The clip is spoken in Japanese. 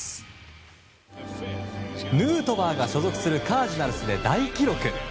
ヌートバーが所属するカージナルスで大記録。